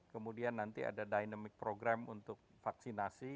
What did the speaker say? kemudian nanti ada dynamic program untuk vaksinasi